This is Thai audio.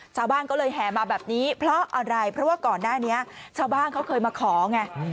ชาวบ้านก็เลยแห่มาแบบนี้เพราะอะไรเพราะว่าก่อนหน้านี้ชาวบ้านเขาเคยมาขอไง